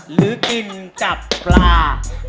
หรือกินจับปลา